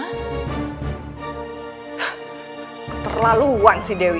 hah keterlaluan sih dewi